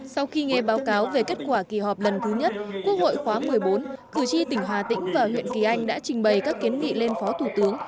sau khi nghe báo cáo về kết quả kỳ họp lần thứ nhất quốc hội khóa một mươi bốn cử tri tỉnh hà tĩnh và huyện kỳ anh đã trình bày các kiến nghị lên phó thủ tướng